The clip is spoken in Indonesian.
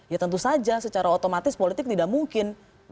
ya tentu saja secara otomatis politik tidak mungkin